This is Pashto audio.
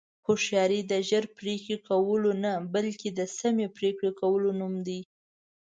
هوښیاري د ژر پرېکړې کولو نه، بلکې د سمې پرېکړې کولو نوم دی.